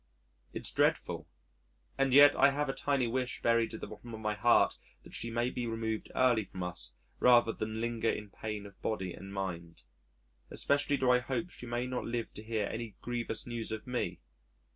It's dreadful, and yet I have a tiny wish buried at the bottom of my heart that she may be removed early from us rather than linger in pain of body and mind. Especially do I hope she may not live to hear any grievous news of me....